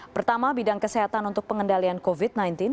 pertama bidang kesehatan untuk pengendalian covid sembilan belas